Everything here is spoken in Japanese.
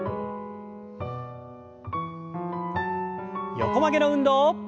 横曲げの運動。